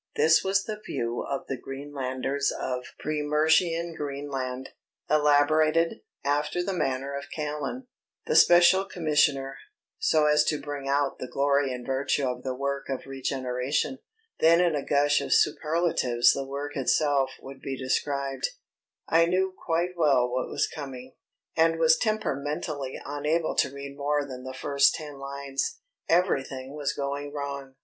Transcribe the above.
This was the view of the Greenlanders of pre Merschian Greenland, elaborated, after the manner of Callan the Special Commissioner so as to bring out the glory and virtue of the work of regeneration. Then in a gush of superlatives the work itself would be described. I knew quite well what was coming, and was temperamentally unable to read more than the first ten lines. Everything was going wrong.